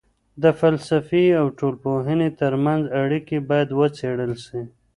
د فلسفې او ټولنپوهني ترمنځ اړیکې باید وڅېړل سي.